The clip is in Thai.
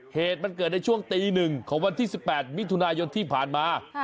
เหตุมันเกิดในช่วงตี๑ของวันที่๑๘มิถุนายนที่ผ่านมา